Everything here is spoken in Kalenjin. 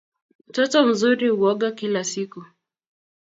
Mtoto mzuri huoga kila siku